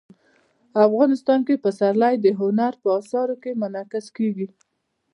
افغانستان کې پسرلی د هنر په اثار کې منعکس کېږي.